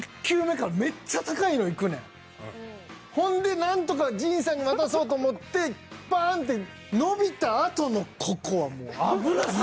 ほんで何とか陣さんに渡そうと思ってパンって伸びたあとのここはもう危なすぎ。